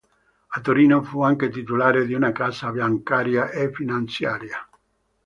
A Torino fu anche titolare di una casa bancaria e finanziaria.